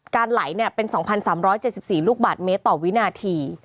ไหลเป็น๒๓๗๔ลูกบาทเมตรต่อวินาที